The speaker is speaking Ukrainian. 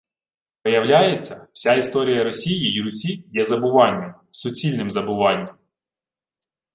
Виявляється, вся історія Росії й Русі є забуванням! Суцільним забуванням